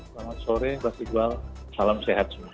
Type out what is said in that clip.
selamat sore pak sigwal salam sehat